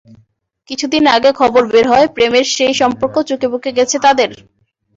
কিছুদিন আগে খবর বের হয়, প্রেমের সেই সম্পর্ক চুকেবুকে গেছে তাঁদের।